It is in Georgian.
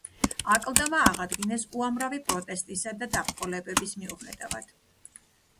აკლდამა აღადგინეს უამრავი პროტესტისა და დაბრკოლებების მიუხედავად.